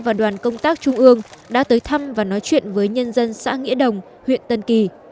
và đoàn công tác trung ương đã tới thăm và nói chuyện với nhân dân xã nghĩa đồng huyện tân kỳ